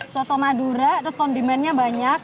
soto madura terus kondimennya banyak